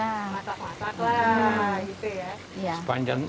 masak masaklah gitu ya